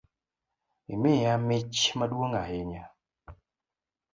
Imiya mich maduong’ ahinya